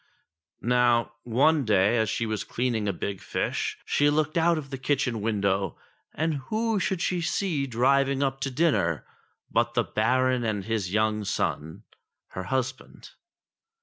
Now one day as she was cleaning a big fish, she looked out of the kitchen window, and who should she see driving up to dinner but the Baron and his young son, her husband.